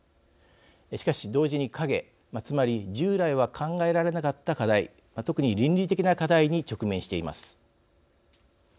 しかし、同時に影つまり従来は考えられなかった課題特に倫理的な課題に直面しています。